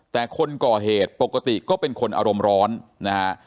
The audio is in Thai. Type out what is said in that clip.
แต่คนก่อเหตุปกติก็เป็นคนอารมณ์ร้อนนะฮะ